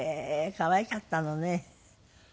可愛かったのね。